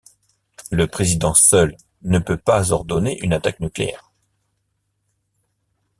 Le président seul ne peut pas ordonner une attaque nucléaire.